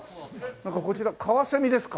なんかこちらカワセミですか？